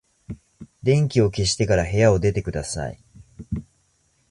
電気を消してから部屋を出てください。